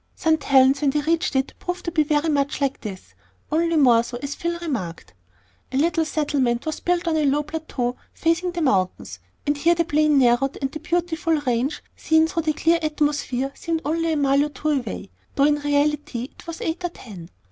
St. Helen's, when they reached it, proved to be very much "like this," only more so, as Phil remarked. The little settlement was built on a low plateau facing the mountains, and here the plain narrowed, and the beautiful range, seen through the clear atmosphere, seemed only a mile or two away, though in reality it was eight or ten.